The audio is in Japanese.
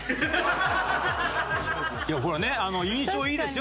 いやほらね印象いいですよ。